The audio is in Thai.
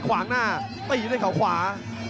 ขวางหน้าต้องอยู่ด้วยข่าวขวา